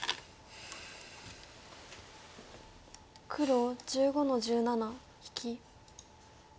黒１５の十七引き。